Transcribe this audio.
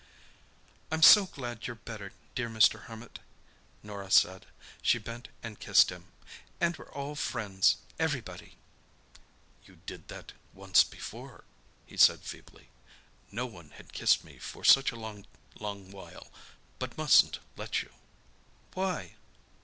"I'm so glad you're better, dear Mr. Hermit," Norah said. She bent and kissed him. "And we're all friends—everybody." "You did that once before," he said feebly. "No one had kissed me for such a long, long while. But mustn't let you." "Why?"